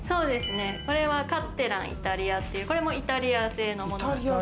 これはカッテランイタリアっていうイタリア製のもの。